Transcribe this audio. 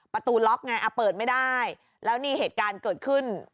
ประตูล็อกไงเปิดไม่ได้แล้วนี่เหตุการณ์เกิดขึ้น